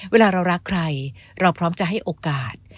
เวลาเรารักใครเราพร้อมจะให้โอกาส